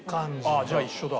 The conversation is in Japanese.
じゃあ一緒だ。